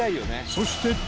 そして。